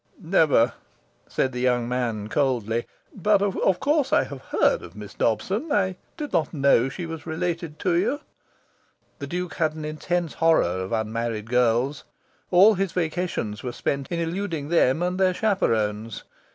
"Never," said the young man coldly. "But of course I have heard of Miss Dobson. I did not know she was related to you." The Duke had an intense horror of unmarried girls. All his vacations were spent in eluding them and their chaperons.